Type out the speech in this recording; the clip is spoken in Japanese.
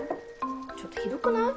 ちょっとひどくない？